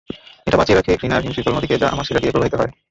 এটা বাঁচিয়ে রাখে ঘৃণার হিমশীতল নদীকে যা আমার শিরা দিয়ে প্রবাহিত হয়।